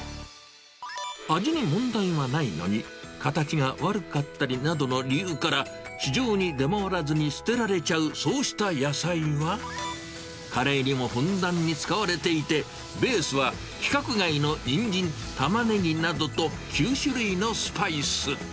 味に問題はないのに、形が悪かったりなどの理由から、市場に出回らずに捨てられちゃうそうした野菜は、カレーにもふんだんに使われていて、ベースは規格外のニンジン、タマネギなどと９種類のスパイス。